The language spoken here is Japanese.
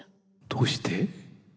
どうして？